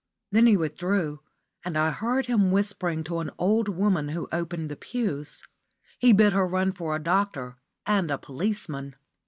Then he withdrew, and I heard him whispering to an old woman who opened the pews. He bid her run for a doctor and a policeman.